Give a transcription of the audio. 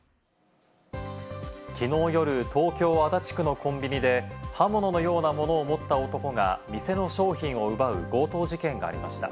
きのう夜、東京・足立区のコンビニで刃物のようなものを持った男が店の商品を奪う強盗事件がありました。